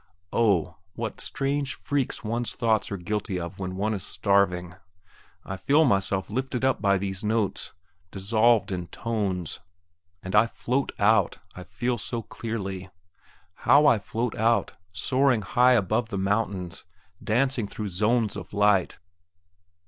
Oh, what strange freaks one's thoughts are guilty of when one is starving. I feel myself lifted up by these notes, dissolved in tones, and I float out, I feel so clearly. How I float out, soaring high above the mountains, dancing through zones of light!...